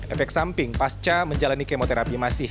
efek samping pasca menjalani kemoterapi masih